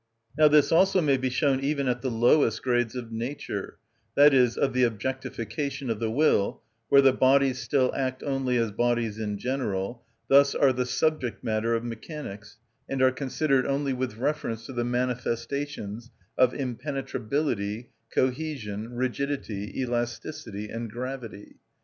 Now this also may be shown even at the lowest grades of nature, that is, of the objectification of the will, where the bodies still act only as bodies in general, thus are the subject‐matter of mechanics, and are considered only with reference to the manifestations of impenetrability, cohesion, rigidity, elasticity, and gravity.